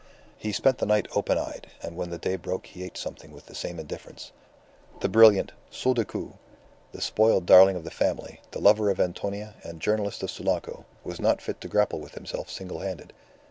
He spent the night open eyed, and when the day broke he ate something with the same indifference. The brilliant "Son Decoud," the spoiled darling of the family, the lover of Antonia and journalist of Sulaco, was not fit to grapple with himself single handed.